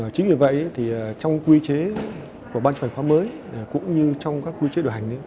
chính vì vậy thì trong quy chế của ban trò hành khoa mới cũng như trong các quy chế điều hành